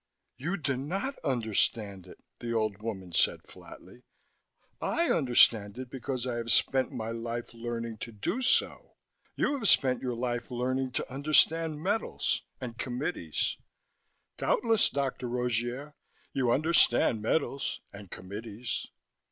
"You do not understand it," the old woman said flatly. "I understand it because I have spent my life learning to do so. You have spent your life learning to understand metals, and committees. Doubtless, Dr. Rogier, you understand metals and committees."